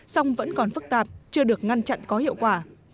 song vẫn còn phức tạp chưa được ngăn chặn có hiệu quả